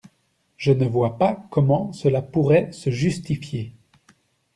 Je ne vois pas comment cela pourrait se justifier.